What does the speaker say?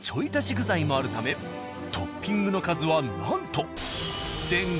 具材もあるためトッピングの数はなんと。